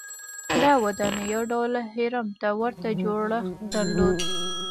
دا ودانۍ یو ډول هرم ته ورته جوړښت درلود.